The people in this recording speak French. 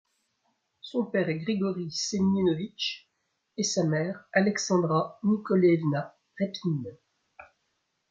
Son père est Grigory Semionovitch et sa mère Alexandra Nikolaïevna Repnine.